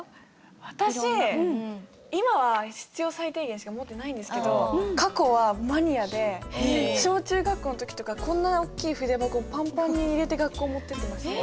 私今は必要最低限しか持ってないんですけど過去はマニアで小中学校の時とかこんな大きい筆箱パンパンに入れて学校持ってってましたね。